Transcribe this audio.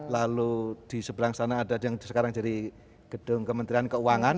lalu di seberang sana ada yang sekarang jadi gedung kementerian keuangan